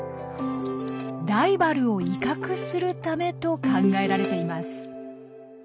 ライバルを威嚇するためと考えられています。